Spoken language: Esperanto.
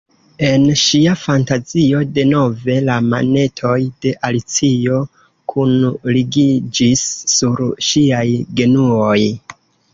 En ŝia fantazio denove la manetoj de Alicio kunligiĝis sur ŝiaj genuoj.